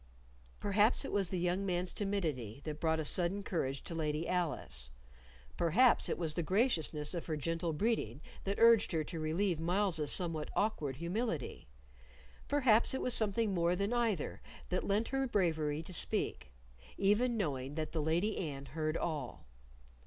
Perhaps it was the young man's timidity that brought a sudden courage to Lady Alice; perhaps it was the graciousness of her gentle breeding that urged her to relieve Myles's somewhat awkward humility, perhaps it was something more than either that lent her bravery to speak, even knowing that the Lady Anne heard all.